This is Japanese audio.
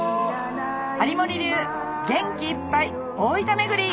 有森流元気いっぱい大分巡り！